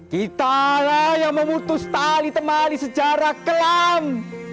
kitalah yang memutus tali temali sejarah kelam